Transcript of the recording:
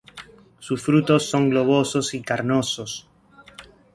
Sus frutos son globosos y carnosos.